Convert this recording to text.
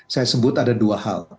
saya sebut ada dua hal